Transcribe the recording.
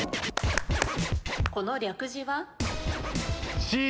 この略字は？ＣＤ。